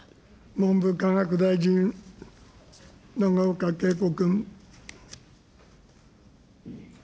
文部科学大臣、永岡桂子君。